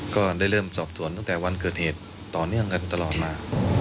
ก็ได้เริ่มสอบสวนตั้งแต่วันเกิดเหตุต่อเนื่องกันตลอดมา